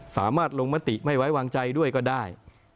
สามารถลงมติไม่ไว้วางใจด้วยก็ได้